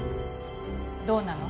どうなの？